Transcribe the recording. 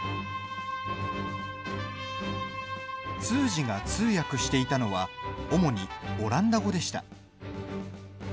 通詞が通訳していたのは主にオランダ語でした。